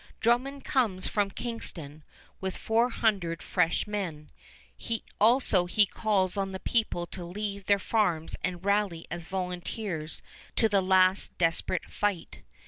Drummond comes from Kingston with four hundred fresh men; also he calls on the people to leave their farms and rally as volunteers to the last desperate fight.